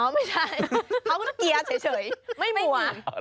ไม่ใช่เขาเกียร์เฉยไม่มัว